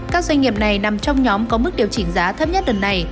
các doanh nghiệp này nằm trong nhóm có mức điều chỉnh giá thấp nhất lần này